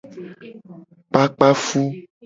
Kpakpa fu.